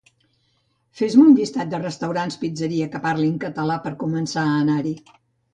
Fes-me un llistat de restaurants pizzeries que parlin català per començar a anar-hi